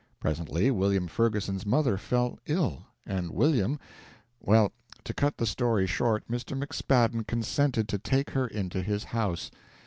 Presently William Ferguson's mother fell sick, and William Well, to cut the story short, Mr. McSpadden consented to take her into his house.